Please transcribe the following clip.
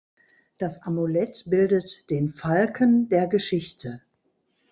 Das Amulett bildet den „Falken“ der Geschichte.